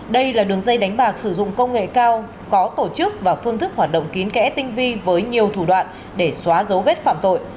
đây là đường dây đánh bạc sử dụng công nghệ cao có tổ chức và phương thức hoạt động kín kẽ tinh vi với nhiều thủ đoạn để xóa dấu vết phạm tội